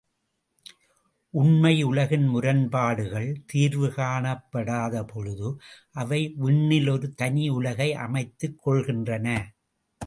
உண்மை உலகின் முரண்பாடுகள் தீர்வு காணப்படாதபொழுது அவை விண்ணில் ஒரு தனி உலகை அமைத்துக் கொள்கின்றன.